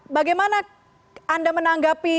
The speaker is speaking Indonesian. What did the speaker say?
bagaimana anda menanggapi